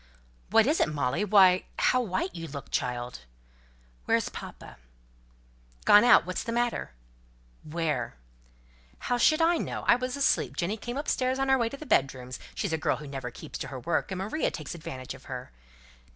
"What is it, Molly? Why, how white you look, child!" "Where's papa?" "Gone out. What's the matter?" "Where?" "How should I know? I was asleep; Jenny came upstairs on her way to the bedrooms; she's a girl who never keeps to her work and Maria takes advantage of her."